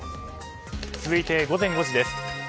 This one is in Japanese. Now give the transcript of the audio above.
続いて、午前５時です。